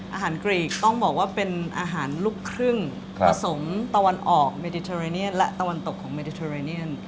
อาหารกรีกต้องบอกว่าเป็นอาหารลูกครึ่งผสมตะวันออกเมติเทอร์เรเนียนและตะวันตกของเมดิเทอร์เรเนียน